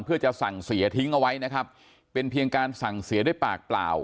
เพื่อจะสั่งเสียทิ้งเอาไว้นะครับเป็นเพียงการสั่งเสียด้วยปากเปล่า